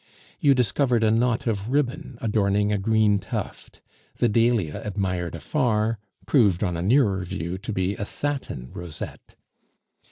You discovered a knot of ribbon adorning a green tuft; the dahlia admired afar proved on a nearer view to be a satin rosette.